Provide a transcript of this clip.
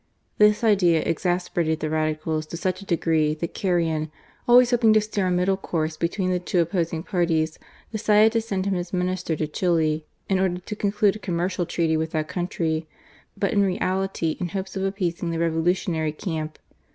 This idea exasperated the Radicals to such a degree that Carrion, always hoping to steer a middle course between the two opposing parties, decided to send him as Minister to Chili in order to conclude a commercial treaty with that country, but in reality in hopes of appeasing the revolutionary camp.